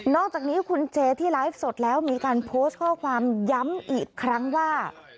อกจากนี้คุณเจที่ไลฟ์สดแล้วมีการโพสต์ข้อความย้ำอีกครั้งว่า